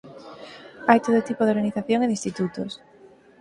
Hai todo tipo de organización e de institutos.